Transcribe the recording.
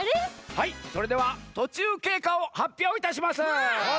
はいそれではとちゅうけいかをはっぴょういたします！